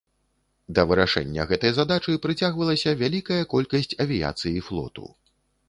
Да вырашэння гэтай задачы прыцягвалася вялікая колькасць авіяцыі флоту.